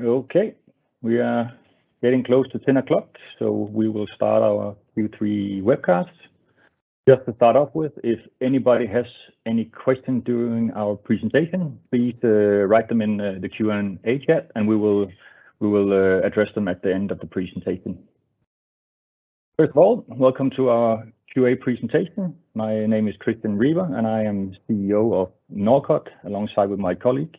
Okay, we are getting close to 10 o'clock, so we will start our Q3 webcast. Just to start off with, if anybody has any questions during our presentation, please, write them in the Q&A chat, and we will address them at the end of the presentation. First of all, welcome to our Q&A presentation. My name is Christian Riber, and I am CEO of Norcod, alongside with my colleagues.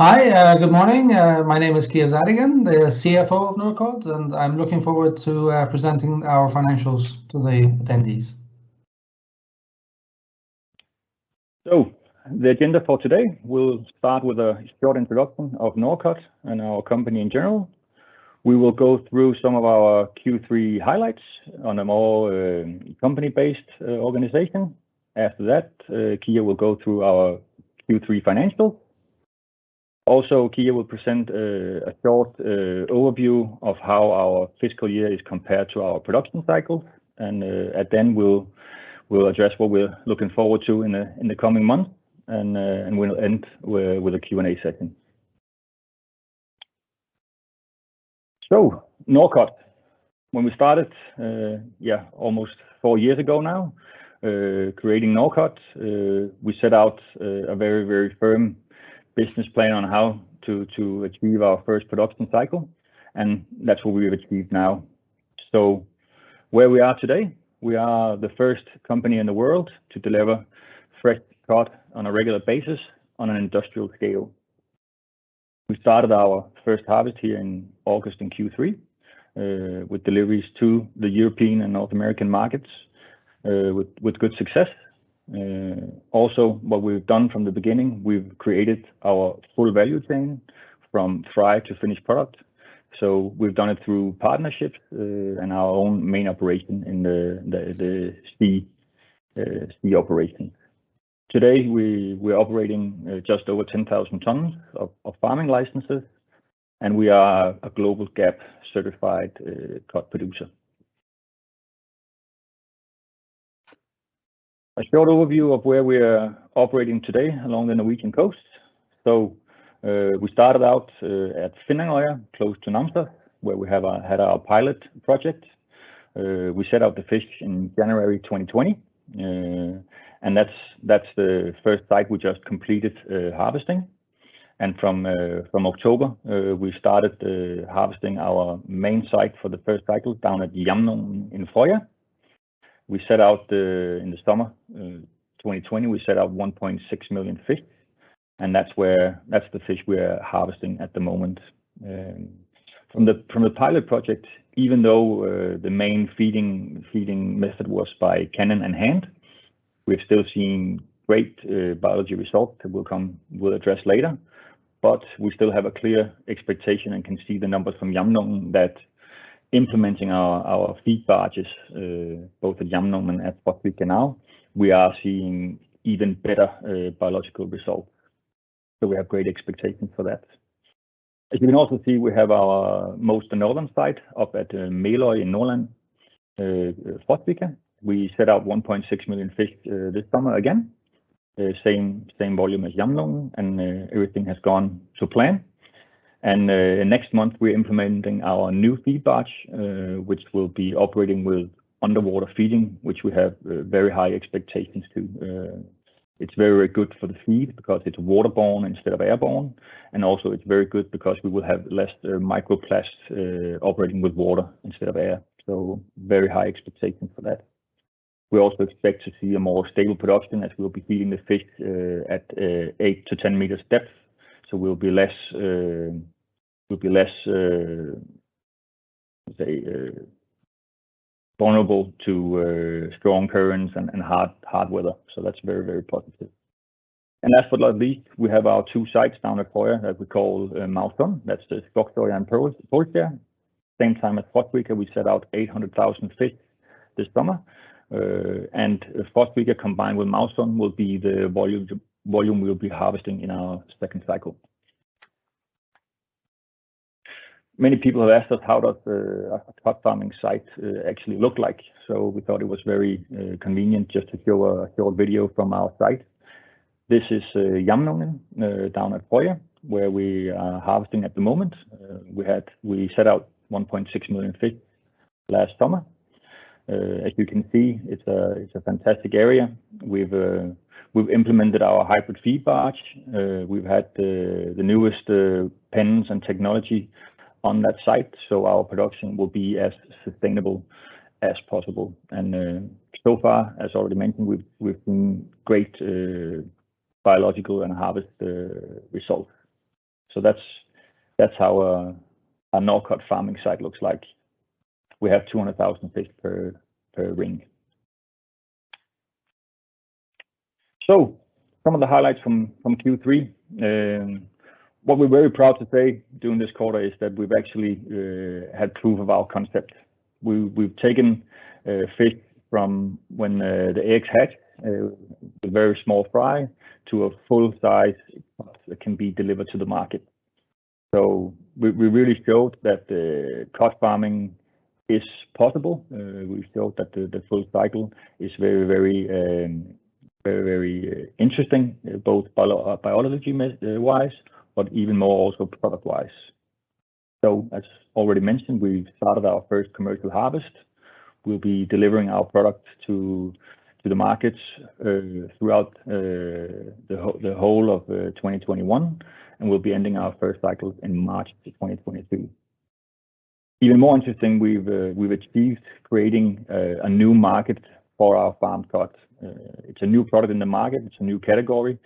Hi, good morning. My name is Kia Zadegan, the CFO of Norcod, and I'm looking forward to presenting our financials to the attendees. The agenda for today, we'll start with a short introduction of Norcod and our company in general. We will go through some of our Q3 highlights on a more company-based organization. After that, Kia will go through our Q3 financial. Also, Kia will present a short overview of how our fiscal year is compared to our production cycle. At the end, we'll address what we're looking forward to in the coming months. We'll end with a Q&A session. Norcod, when we started almost four years ago now creating Norcod, we set out a very firm business plan on how to achieve our first production cycle, and that's what we have achieved now. Where we are today, we are the first company in the world to deliver fresh cod on a regular basis on an industrial scale. We started our first harvest here in August in Q3 with deliveries to the European and North American markets with good success. Also what we've done from the beginning, we've created our full value chain from fry to finished product. We've done it through partnerships and our own main operation in the sea operation. Today, we're operating just over 10,000 tons of farming licenses, and we are a GLOBALG.A.P.-certified cod producer. A short overview of where we are operating today along the Norwegian coast. We started out at Finnangerøya, close to Namsos, where we had our pilot project. We set out the fish in January 2020, and that's the first site we just completed harvesting. From October, we started harvesting our main site for the first cycle down at Jamnungen in Frøya. We set out in the summer 2020, we set out 1.6 million fish, and that's the fish we're harvesting at the moment. From the pilot project, even though the main feeding method was by cannon and hand, we've still seen great biological results that we'll address later. We still have a clear expectation and can see the numbers from Jamnungen that implementing our feed barges both at Jamnungen and at Frosvika now, we are seeing even better biological results. We have great expectations for that. As you can also see, we have our most northern site up at Meløy in Nordland, Frosvika. We set out 1.6 million fish this summer again, the same volume as Jamnungen, and everything has gone to plan. Next month, we're implementing our new feed barge, which will be operating with underwater feeding, which we have very high expectations to. It's very good for the feed because it's waterborne instead of airborne, and also it's very good because we will have less microplastics operating with water instead of air, so very high expectation for that. We also expect to see a more stable production as we will be feeding the fish at 8-10 m depth, so we'll be less vulnerable to strong currents and hard weather. That's very positive. Last but not least, we have our two sites down at Frøya that we call Måsstraumen. That's the Skogstua and Poltjå. At the same time at Frosvika, we set out 800,000 fish this summer. Frosvika combined with Måsstraumen will be the volume we'll be harvesting in our second cycle. Many people have asked us, how does the cod farming site actually look like? We thought it was very convenient just to show a video from our site. This is Jamnungen down at Frøya, where we are harvesting at the moment. We set out 1.6 million fish last summer. As you can see, it's a fantastic area. We've implemented our hybrid feed barge. We've had the newest pens and technology on that site, so our production will be as sustainable as possible. So far, as already mentioned, we've seen great biological and harvest results. That's how a Norcod farming site looks like. We have 200,000 fish per ring. Some of the highlights from Q3. What we're very proud to say during this quarter is that we've actually had proof of our concept. We've taken fish from when the eggs hatch, the very small fry, to a full size that can be delivered to the market. We really showed that the cod farming is possible. We showed that the full cycle is very interesting both biology-wise, but even more also product-wise. As already mentioned, we've started our first commercial harvest. We'll be delivering our product to the markets throughout the whole of 2021, and we'll be ending our first cycle in March 2022. Even more interesting, we've achieved creating a new market for our farmed cod. It's a new product in the market. It's a new category.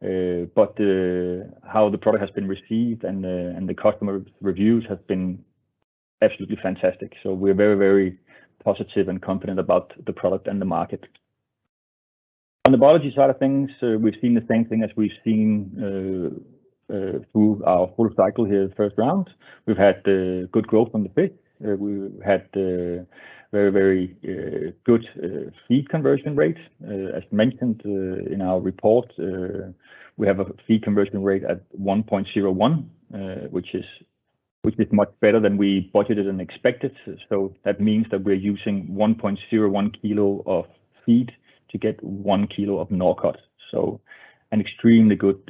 But the How the product has been received and the customer reviews have been absolutely fantastic, so we're very positive and confident about the product and the market. On the biology side of things, we've seen the same thing as we've seen through our whole cycle here the first round. We've had good growth on the fish. We've had very good feed conversion rates. As mentioned in our report, we have a feed conversion ratio at 1.01, which is much better than we budgeted and expected. So that means that we're using 1.01 kilo of feed to get one kilo of Norcod. So an extremely good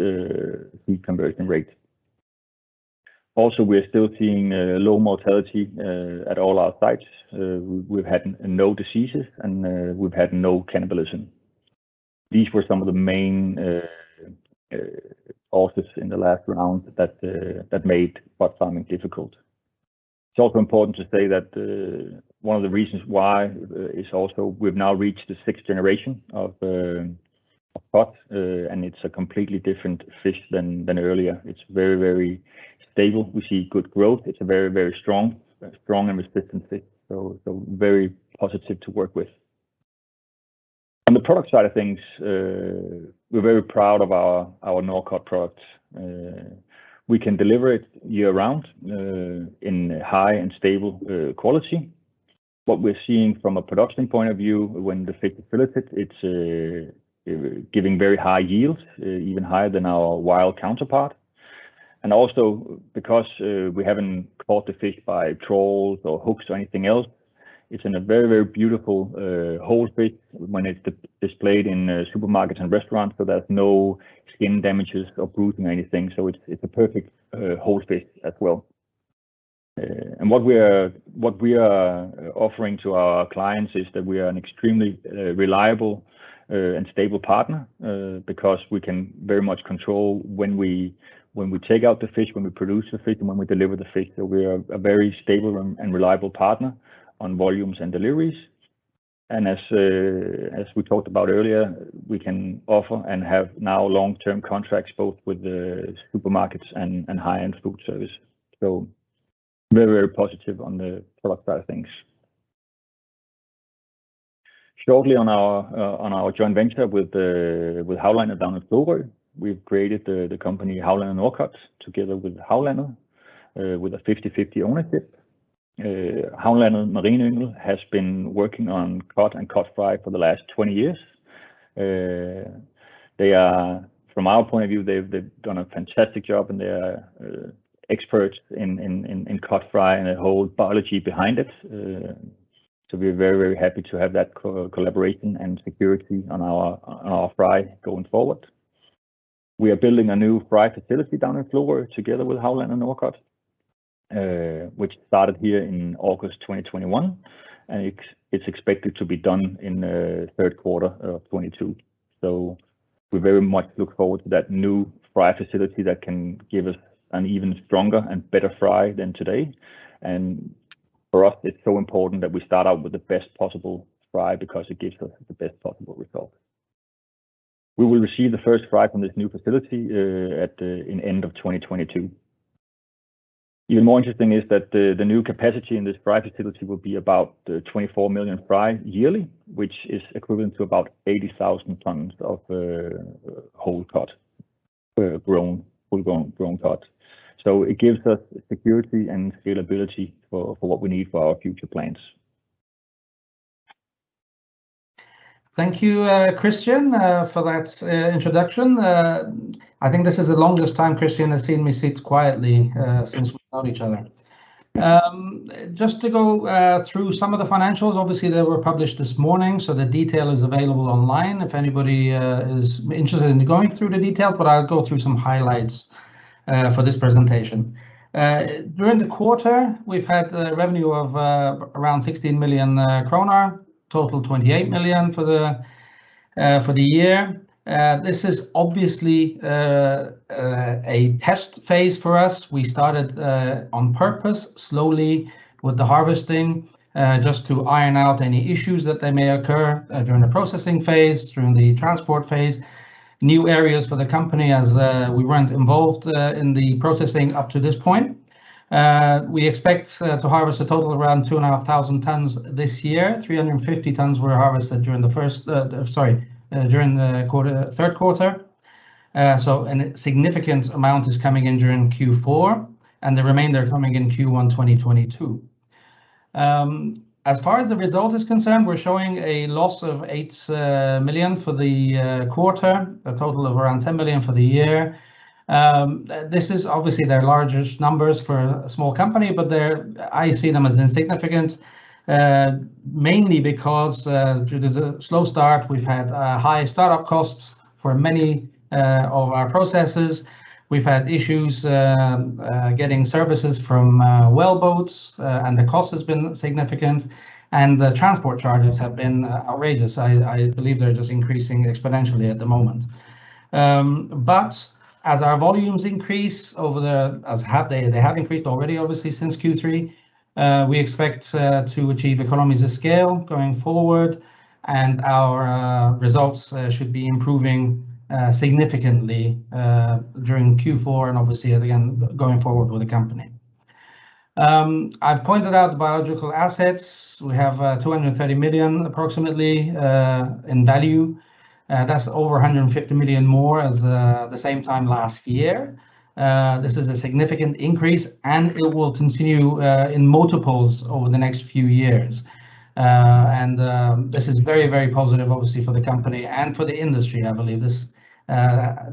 feed conversion ratio. Also, we're still seeing low mortality at all our sites. We've had no diseases, and we've had no cannibalism. These were some of the main obstacles in the last round that made farm salmon difficult. It's also important to say that one of the reasons why is also we've now reached the sixth generation of the cod, and it's a completely different fish than earlier. It's very, very stable. We see good growth. It's a very, very strong and resistant fish, so very positive to work with. On the product side of things, we're very proud of our Norcod product. We can deliver it year-round in high and stable quality. What we're seeing from a production point of view when the fish is filleted, it's giving very high yields, even higher than our wild counterpart. Because we haven't caught the fish by trawls or hooks or anything else, it's in a very beautiful whole fish when it's displayed in supermarkets and restaurants. There's no skin damages or bruising or anything. It's a perfect whole fish as well. What we are offering to our clients is that we are an extremely reliable and stable partner because we can very much control when we take out the fish, when we produce the fish, and when we deliver the fish. We are a very stable and reliable partner on volumes and deliveries. As we talked about earlier, we can offer and have now long-term contracts both with the supermarkets and high-end food service. Very, very positive on the product side of things. Shortly on our joint venture with Havlandet down in Florø. We've created the company Havlandet Norcod together with Havlandet with a 50/50 ownership. Havlandet Marin Yngel has been working on cod and cod fry for the last 20 years. From our point of view, they've done a fantastic job, and they are experts in cod fry and the whole biology behind it. We're very, very happy to have that collaboration and security on our fry going forward. We are building a new fry facility down in Florø together with Havlandet Norcod, which started here in August 2021, and it's expected to be done in third quarter of 2022. We very much look forward to that new fry facility that can give us an even stronger and better fry than today. For us, it's so important that we start out with the best possible fry because it gives us the best possible result. We will receive the first fry from this new facility in end of 2022. Even more interesting is that the new capacity in this fry facility will be about 24 million fry yearly, which is equivalent to about 80,000 tons of whole cod, full-grown cod. It gives us security and scalability for what we need for our future plans. Thank you, Christian, for that introduction. I think this is the longest time Christian has seen me sit quietly since we've known each other. Just to go through some of the financials, obviously they were published this morning, so the detail is available online if anybody is interested in going through the details, but I'll go through some highlights for this presentation. During the quarter, we've had a revenue of around 16 million kroner, total 28 million for the year. This is obviously a test phase for us. We started on purpose slowly with the harvesting just to iron out any issues that they may occur during the processing phase, during the transport phase. New areas for the company as we weren't involved in the processing up to this point. We expect to harvest a total of around 2,500 tons this year. 350 tons were harvested during the third quarter. And a significant amount is coming in during Q4, and the remainder coming in Q1 2022. As far as the result is concerned, we're showing a loss of 8 million for the quarter. A total of around 10 million for the year. This is obviously the largest numbers for a small company, but I see them as insignificant. Mainly due to the slow start we've had, high startup costs for many of our processes. We've had issues getting services from well boats, and the cost has been significant. The transport charges have been outrageous. I believe they're just increasing exponentially at the moment. But as our volumes increase, they have increased already, obviously, since Q3. We expect to achieve economies of scale going forward, and our results should be improving significantly during Q4, and obviously again going forward with the company. I've pointed out the biological assets. We have approximately 230 million in value. That's over 150 million more than the same time last year. This is a significant increase and it will continue in multiples over the next few years. This is very, very positive obviously for the company and for the industry, I believe.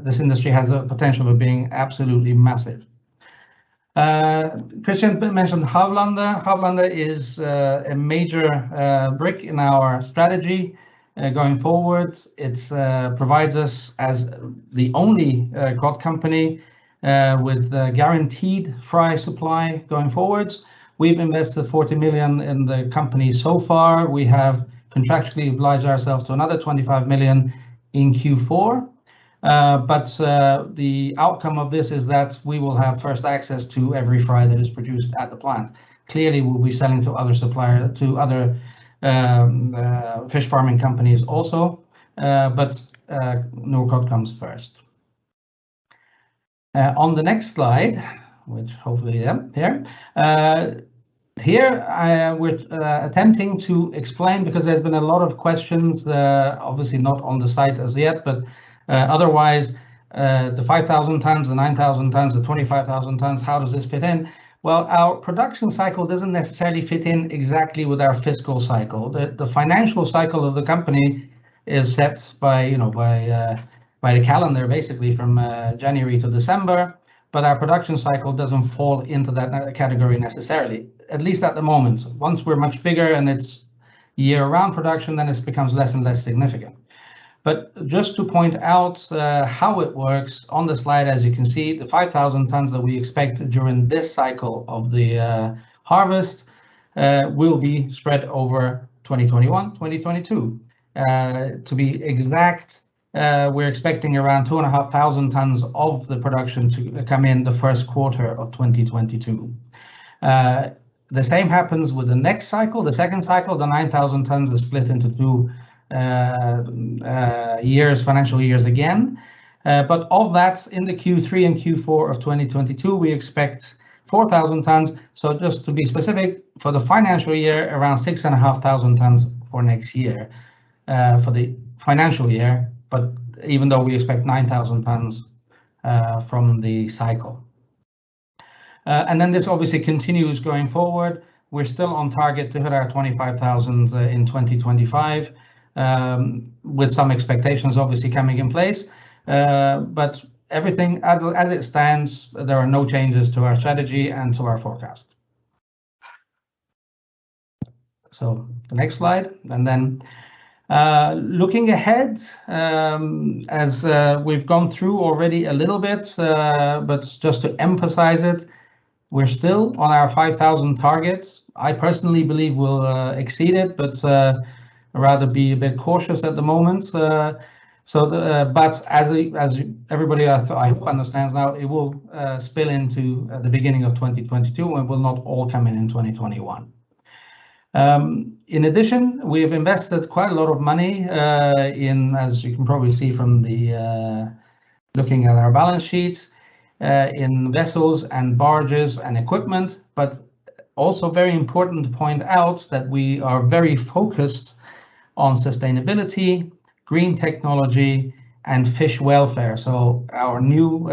This industry has a potential of being absolutely massive. Christian mentioned Havlandet. Havlandet is a major brick in our strategy going forwards. It provides us as the only cod company with a guaranteed fry supply going forwards. We've invested 40 million in the company so far. We have contractually obliged ourselves to another 25 million in Q4. The outcome of this is that we will have first access to every fry that is produced at the plant. Clearly, we'll be selling to other suppliers to other fish farming companies also. Norcod comes first. On the next slide, which hopefully is there. Because there's been a lot of questions, obviously not on the site as yet, but otherwise, the 5,000 tons, the 9,000 tons, the 25,000 tons, how does this fit in? Well, our production cycle doesn't necessarily fit in exactly with our fiscal cycle. The financial cycle of the company is set by, you know, by the calendar basically from January to December. But our production cycle doesn't fall into that category necessarily, at least at the moment. Once we're much bigger and it's year-round production, then it becomes less and less significant. But just to point out, how it works on the slide, as you can see, the 5,000 tons that we expect during this cycle of the harvest will be spread over 2021-2022. To be exact, we're expecting around 2,500 tons of the production to come in the first quarter of 2022. The same happens with the next cycle. The second cycle, the 9,000 tons are split into two years, financial years again. All that's in the Q3 and Q4 of 2022, we expect 4,000 tons. Just to be specific, for the financial year around 6,500 tons for next year, for the financial year, but even though we expect 9,000 tons from the cycle. This obviously continues going forward. We're still on target to hit our 25,000 in 2025, with some expectations obviously coming in place. Everything as it stands there are no changes to our strategy and to our forecast. The next slide. Looking ahead, as we've gone through already a little bit, but just to emphasize it, we're still on our 5,000 targets. I personally believe we'll exceed it, but rather be a bit cautious at the moment. Everybody understands now, it will spill into the beginning of 2022 and will not all come in in 2021. In addition, we have invested quite a lot of money in, as you can probably see from looking at our balance sheets, in vessels and barges and equipment. Also very important to point out that we are very focused on sustainability, green technology, and fish welfare. Our new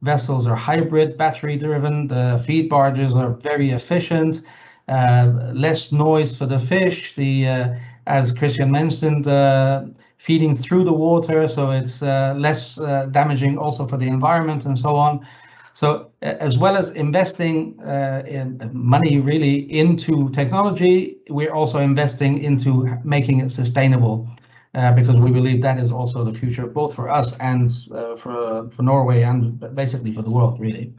vessels are hybrid battery driven. The feed barges are very efficient. Less noise for the fish. As Christian mentioned, the feeding through the water so it's less damaging also for the environment and so on. As well as investing in money really into technology, we're also investing into making it sustainable. Because we believe that is also the future both for us and for Norway and basically for the world really.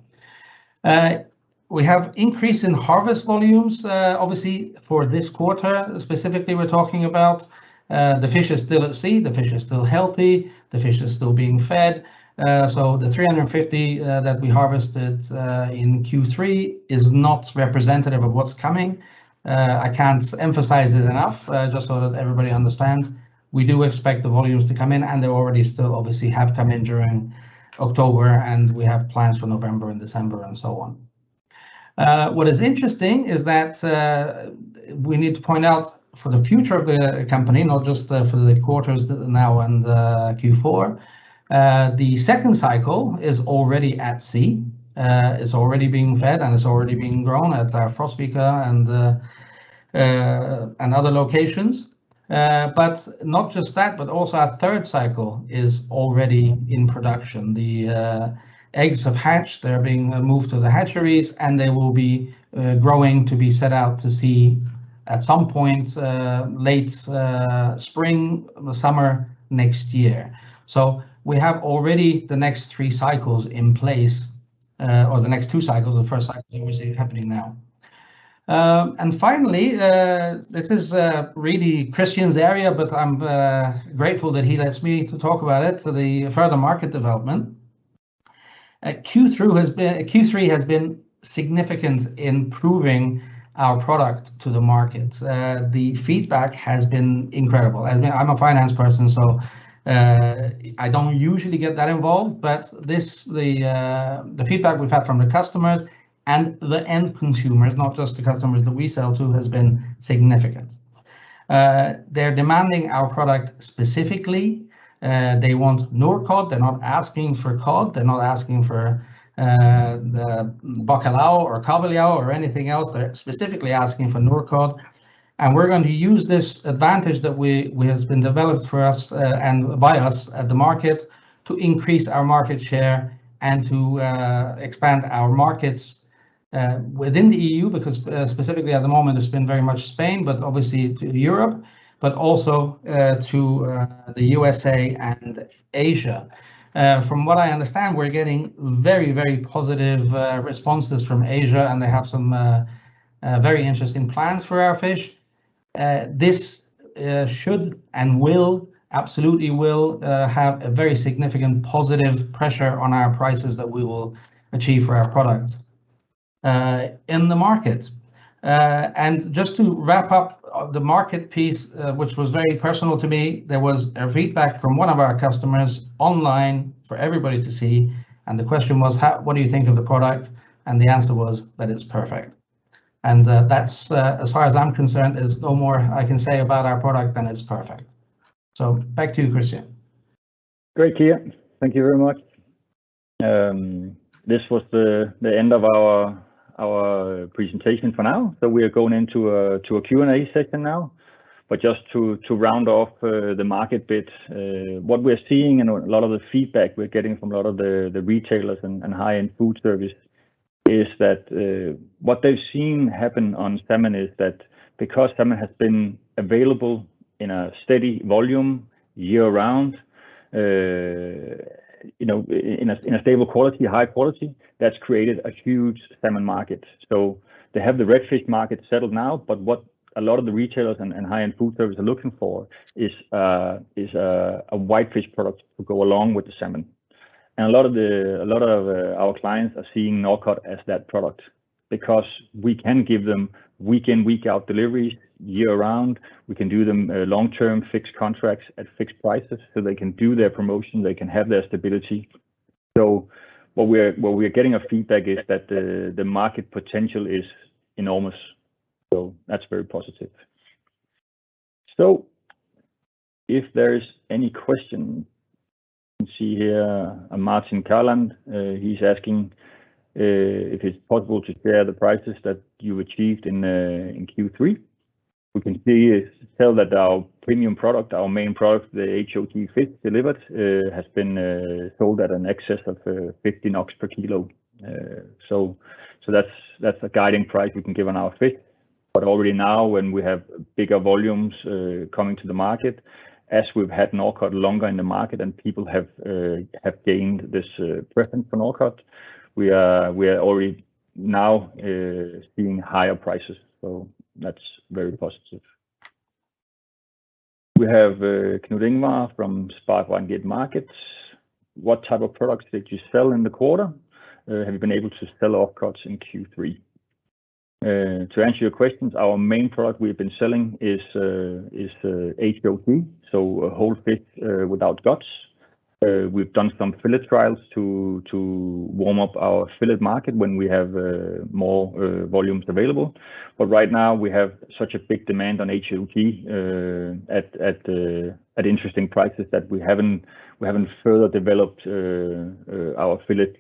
We have increase in harvest volumes, obviously for this quarter. Specifically we're talking about, the fish are still at sea, the fish are still healthy, the fish are still being fed. The 350 that we harvested in Q3 is not representative of what's coming. I can't emphasize it enough, just so that everybody understands. We do expect the volumes to come in, and they already still obviously have come in during October and we have plans for November and December and so on. What is interesting is that we need to point out for the future of the company, not just for the quarters now and Q4. The second cycle is already at sea, is already being fed, and is already being grown at Frosvika and other locations. Not just that, but also our third cycle is already in production. The eggs have hatched. They're being moved to the hatcheries, and they will be growing to be set out to sea at some point late spring, the summer next year. We have already the next three cycles in place, or the next two cycles. The first cycle is obviously happening now. Finally, this is really Christian's area, but I'm grateful that he lets me to talk about it, so the further market development. Q3 has been significant in proving our product to the market. The feedback has been incredible. For me, I'm a finance person, so I don't usually get that involved, but the feedback we've had from the customers and the end consumers, not just the customers that we sell to, has been significant. They're demanding our product specifically. They want Norcod. They're not asking for cod. They're not asking for the bacalao or cabillaud or anything else. They're specifically asking for Norcod. We're going to use this advantage that we have been developed for us and by us at the market to increase our market share and to expand our markets within the EU, because specifically at the moment it's been very much Spain, but obviously to Europe, but also to the USA and Asia. From what I understand, we're getting very, very positive responses from Asia, and they have some very interesting plans for our fish. This should and will, absolutely will, have a very significant positive pressure on our prices that we will achieve for our products in the market. Just to wrap up, the market piece, which was very personal to me, there was a feedback from one of our customers online for everybody to see, and the question was what do you think of the product? The answer was that it's perfect. That's as far as I'm concerned, there's no more I can say about our product than it's perfect. Back to you, Christian. Great, Kia. Thank you very much. This was the end of our presentation for now. We are going into a Q&A session now. Just to round off the market bit, what we're seeing and a lot of the feedback we're getting from a lot of the retailers and high-end food service is that what they've seen happen on salmon is that because salmon has been available in a steady volume year-round, you know, in a stable quality, high quality, that's created a huge salmon market. They have the red fish market settled now. What a lot of the retailers and high-end food service are looking for is a whitefish product to go along with the salmon. A lot of our clients are seeing Norcod as that product because we can give them week-in, week-out delivery year-round. We can do them long-term fixed contracts at fixed prices so they can do their promotion, they can have their stability. What we're getting a feedback is that the market potential is enormous. That's very positive. If there's any question, we see here a Martin Kaland. He's asking if it's possible to share the prices that you achieved in Q3. We can tell that our premium product, our main product, the HOG fish delivered has been sold in excess of 15 NOK per kilo. That's a guiding price we can give on our fish. Already now, when we have bigger volumes coming to the market, as we've had Norcod longer in the market and people have gained this preference for Norcod, we are already now seeing higher prices. That's very positive. We have Knut-Ivar Bakken from SpareBank 1 Markets. What type of products did you sell in the quarter? Have you been able to sell off cuts in Q3? To answer your questions, our main product we have been selling is HOG, so a whole fish without guts. We've done some fillet trials to warm up our fillet market when we have more volumes available. Right now we have such a big demand on HOG at interesting prices that we haven't further developed our fillet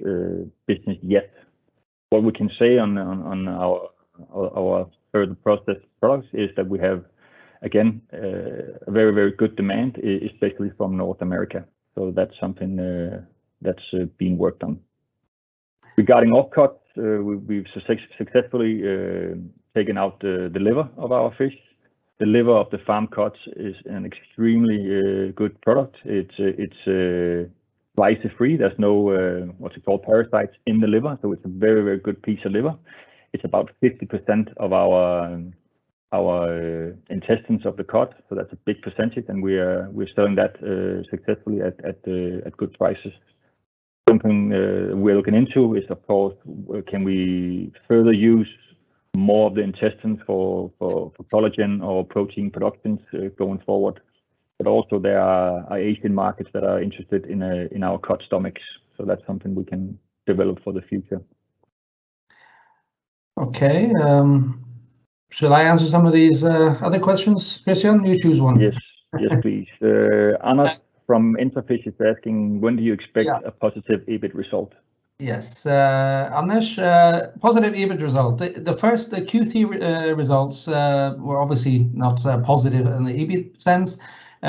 business yet. What we can say on our further processed products is that we have again a very good demand especially from North America. That's something being worked on. Regarding offcuts, we've successfully taken out the liver of our fish. The liver of the farmed cod is an extremely good product. It's blister free. There's no parasites in the liver. It's a very good piece of liver. It's about 50% of our intestines of the cut, so that's a big percentage. We are selling that successfully at good prices. Something we're looking into is, of course, can we further use more of the intestines for collagen or protein productions going forward. Also there are Asian markets that are interested in our cut stomachs. That's something we can develop for the future. Okay. Shall I answer some of these other questions? Christian, you choose one. Yes, please. Anash from Interfish is asking, when do you expect. Yeah. A positive EBIT result? Yes. Anash, positive EBIT result. The first Q3 results were obviously not positive in the EBIT sense,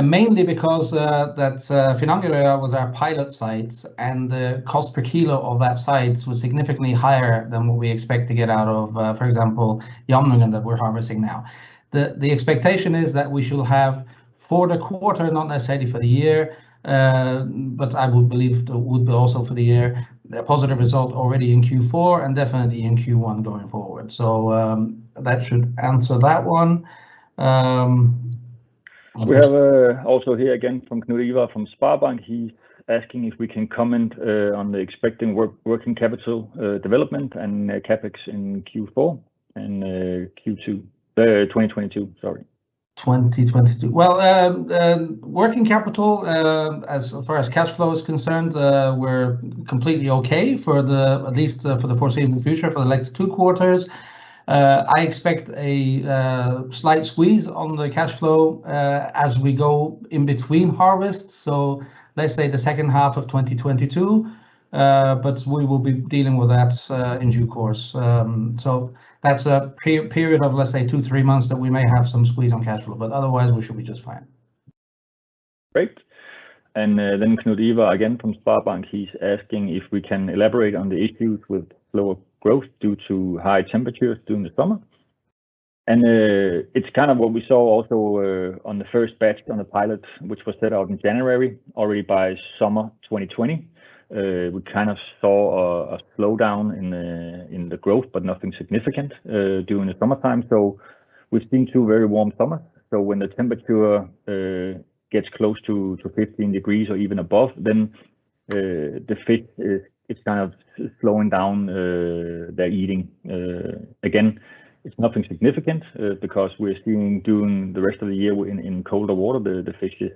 mainly because that Finnangerøya was our pilot site and the cost per kilo of that site was significantly higher than what we expect to get out of, for example, Jamnungen that we're harvesting now. The expectation is that we shall have for the quarter, not necessarily for the year, but I would believe would be also for the year, the positive result already in Q4 and definitely in Q1 going forward. That should answer that one. Anash. We have also here again from Knut-Ivar from SpareBank, he's asking if we can comment on the expected working capital development and CapEx in Q4, in Q2 2022, sorry. 2022. Well, working capital, as far as cash flow is concerned, we're completely okay, at least for the foreseeable future, for the next two quarters. I expect a slight squeeze on the cash flow, as we go in between harvests. Let's say the second half of 2022. We will be dealing with that in due course. That's a period of, let's say, 2-3 months that we may have some squeeze on cash flow, but otherwise we should be just fine. Great. Then Knut-Ivar Bakken again from SpareBank 1 Markets, he's asking if we can elaborate on the issues with lower growth due to high temperatures during the summer. It's kind of what we saw also on the first batch on the pilot, which was set out in January. Already by summer 2020, we kind of saw a slowdown in the growth, but nothing significant during the summertime. We've seen two very warm summers. When the temperature gets close to 15 degrees or even above, then the fish, it's kind of slowing down their eating. Again, it's nothing significant because we're still doing the rest of the year in colder water. The fish is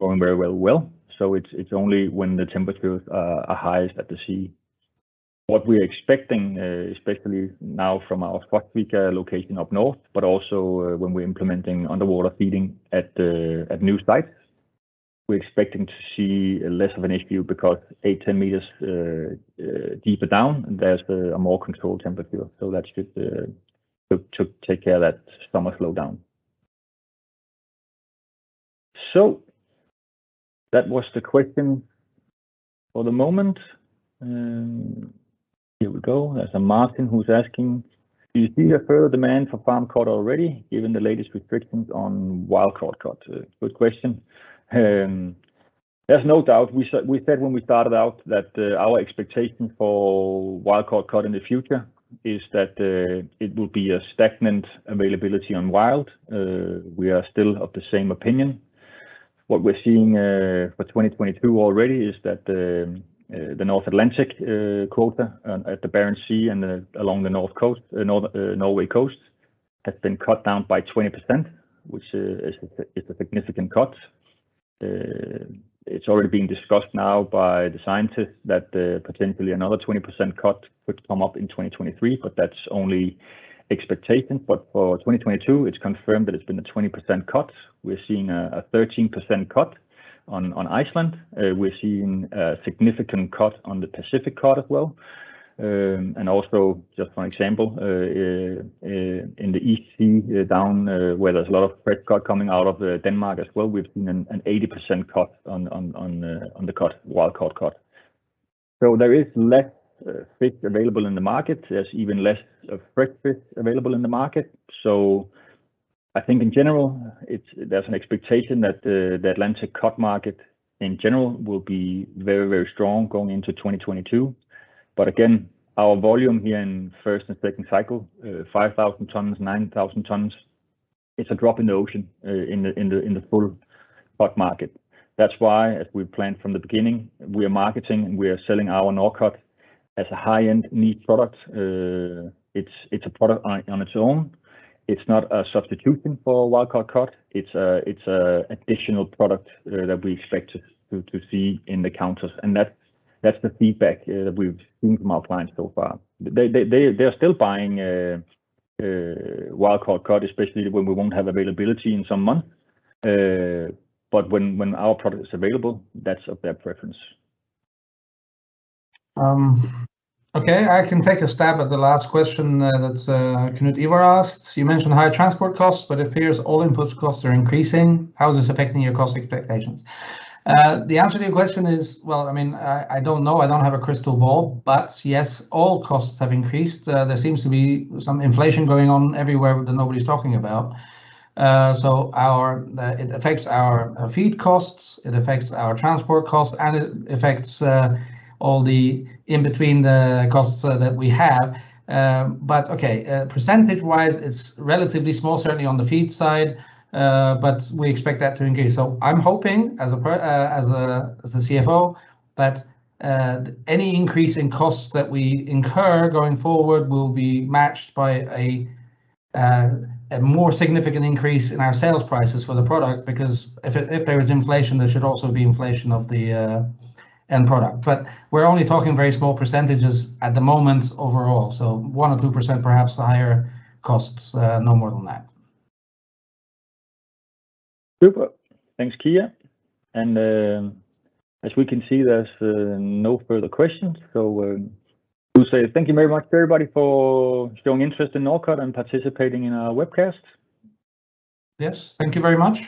going very well. It's only when the temperatures are highest at the sea. What we're expecting, especially now from our Svartvik location up north, but also, when we're implementing underwater feeding at new sites, we're expecting to see less of an issue because 8-10 meters deeper down, there's a more controlled temperature. That should to take care of that summer slowdown. That was the question for the moment. Here we go. There's a Martin who's asking, do you see a further demand for farmed cod already given the latest restrictions on wild caught cod? Good question. There's no doubt. We said when we started out that our expectation for wild caught cod in the future is that it will be a stagnant availability of wild. We are still of the same opinion. What we're seeing for 2022 already is that the North Atlantic quota in the Barents Sea and along the north coast of Norway has been cut down by 20%, which is a significant cut. It's already being discussed now by the scientists that potentially another 20% cut could come up in 2023, but that's only expectation. For 2022, it's confirmed that it's been a 20% cut. We've seen a 13% cut in Iceland. We've seen a significant cut on the Pacific cod as well. Also just one example in the Baltic Sea down where there's a lot of fresh cod coming out of Denmark as well, we've seen an 80% cut on the wild caught cod. There is less fish available in the market. There's even less of fresh fish available in the market. I think in general, there's an expectation that the Atlantic cod market in general will be very strong going into 2022. Again, our volume here in first and second cycle, 5,000 tons, 9,000 tons, it's a drop in the ocean in the full cod market. That's why, as we planned from the beginning, we are marketing and we are selling our Norcod as a high-end meat product. It's a product on its own. It's not a substitution for wild caught cod. It's an additional product that we expect to see in the counters, and that's the feedback that we've seen from our clients so far. They're still buying wild caught cod, especially when we won't have availability in some month. But when our product is available, that's their preference. Okay. I can take a stab at the last question that Knut-Ivar Bakken asks. You mentioned higher transport costs, but it appears all input costs are increasing. How is this affecting your cost expectations? The answer to your question is, well, I mean, I don't know, I don't have a crystal ball, but yes, all costs have increased. There seems to be some inflation going on everywhere that nobody's talking about. So it affects our feed costs, it affects our transport costs, and it affects all the in-between costs that we have. But okay, percentage-wise, it's relatively small, certainly on the feed side. But we expect that to increase. I'm hoping as a CFO that any increase in costs that we incur going forward will be matched by a more significant increase in our sales prices for the product because if there is inflation, there should also be inflation of the end product. We're only talking very small percentages at the moment overall. 1% or 2% perhaps higher costs, no more than that. Super. Thanks, Kia. As we can see, there's no further questions. We'll say thank you very much to everybody for showing interest in Norcod and participating in our webcast. Yes. Thank you very much.